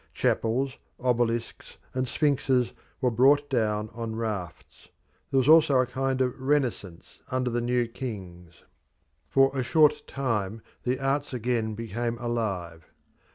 Chapels, obelisks, and sphinxes were brought down on rafts. There was also a kind of Renaissance under the new kings; for a short time the arts again became alive.